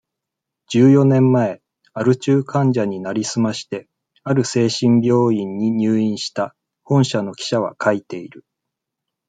十四年前、アル中患者になりすまして、ある精神病院に入院した、本社の記者は書いている。